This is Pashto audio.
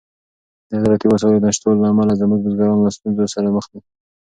د زراعتي وسایلو د نشتوالي له امله زموږ بزګران له ستونزو سره مخ دي.